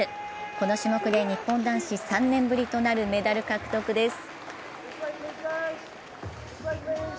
この種目で日本男子３年ぶりとなるメダル獲得です。